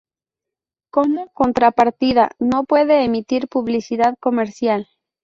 Como contrapartida, no puede emitir publicidad comercial.